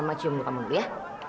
mama cium dukamu dulu ya